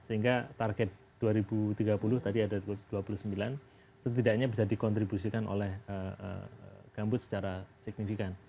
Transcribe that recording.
sehingga target dua ribu tiga puluh tadi ada dua puluh sembilan setidaknya bisa dikontribusikan oleh gambut secara signifikan